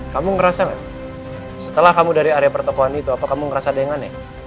kamu ngerasa gak setelah kamu dari area pertokohan itu apa kamu ngerasa ada yang aneh